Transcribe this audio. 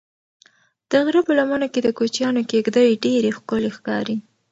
د غره په لمنه کې د کوچیانو کيږدۍ ډېرې ښکلي ښکاري.